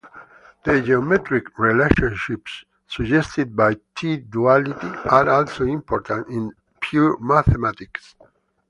The geometric relationships suggested by T-duality are also important in pure mathematics.